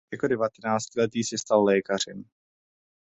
Jako devatenáctiletý se stal lékařem.